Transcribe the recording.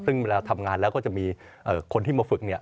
ซึ่งเวลาทำงานแล้วก็จะมีคนที่มาฝึกเนี่ย